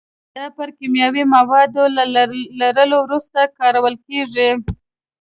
دا پر کیمیاوي موادو له لړلو وروسته کارول کېږي.